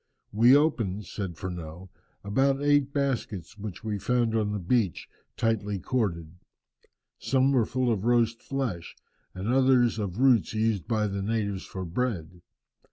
"We opened," says Furneaux, "about eight baskets which we found on the beach, tightly corded. Some were full of roast flesh, and others of roots used by the natives for bread.